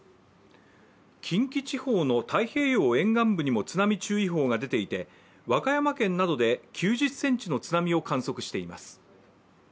近畿地方の太平洋沿岸部にも津波注意報が出ていて和歌山県などで９０ｃｍの津波を観測しています。